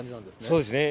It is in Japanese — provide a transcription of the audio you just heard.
そうですね。